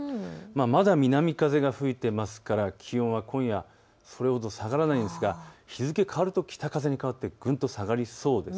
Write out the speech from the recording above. まだ南風が吹いていますから気温は今夜それほど下がらないんですが、日付変わると北風に変わってぐんと下がりそうです。